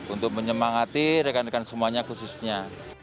untuk menyemangati rekan rekan semuanya khususnya